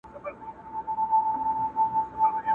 بس د سترګو په یو رپ کي دا شېبه هم نوره نه وي؛